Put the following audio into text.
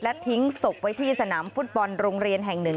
ทิ้งศพไว้ที่สนามฟุตบอลโรงเรียนแห่งหนึ่ง